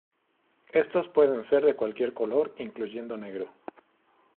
Estos pueden ser de cualquier color, incluyendo negro.